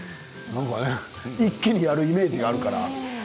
一気にやるイメージがあるから。